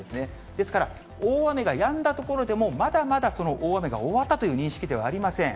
ですから大雨がやんだ所でも、まだまだその大雨が終わったという認識ではありません。